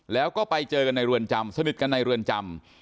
แล้วก็ไปเจอกันในเรือนจำสนิทกันในเรือนจำ